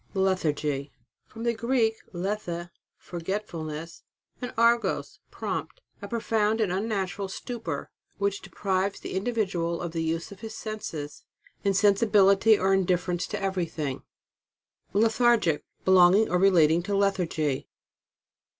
LETHARGY. From the Greek, lethe, fbrgetfulness, and argos, prompt. A profound and unnatural stupor, which deprives the individual of the use of his senses. Insensibility or indifference to everything. LETHARGIC. Belonging or relating to lethargy.